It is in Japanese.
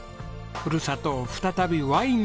ふるさとを再びワインの里にする。